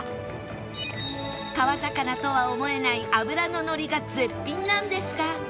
川魚とは思えない脂ののりが絶品なんですが